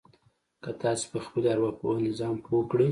که تاسې په خپلې ارواپوهنې ځان پوه کړئ.